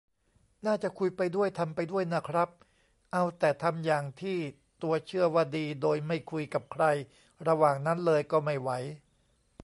น่าจะคุยไปด้วยทำไปด้วยน่ะครับ เอาแต่ทำอย่างที่ตัวเชื่อว่าดีโดยไม่คุยกับใครระหว่างนั้นเลย ก็ไม่ไหว